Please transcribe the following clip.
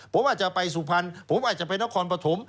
ผมอาจจะไปสุพรรณผมอาจจะไปนครปฐม